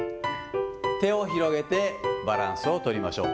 手を広げて、バランスを取りましょう。